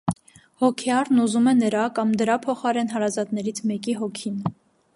Հոգեառն ուզում է նրա կամ դրա փոխարեն հարազատներից մեկի հոգին։